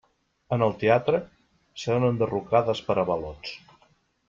En el teatre, seran enderrocades per avalots.